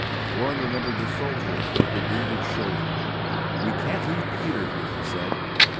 Warren remembered the soldier with the wounded shoulder. "We can't leave Peter here," he said.